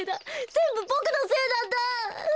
ぜんぶボクのせいなんだ！